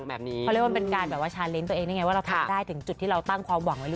ใช่ครับก็เลยอยากบิวต์อีก